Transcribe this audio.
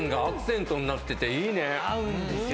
合うんですよ。